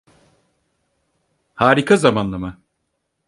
Harika zamanlama.